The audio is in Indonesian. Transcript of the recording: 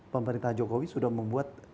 pemerintah jokowi sudah membuat